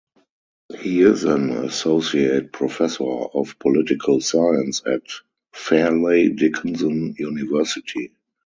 He is an associate professor of political science at Fairleigh Dickinson University.